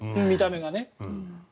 見た目がね。